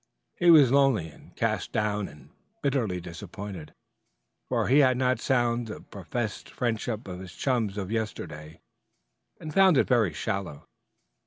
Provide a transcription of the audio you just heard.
He was lonely and cast down and bitterly disappointed; for had he not sounded the professed friendship of his chums of yesterday and found it very shallow!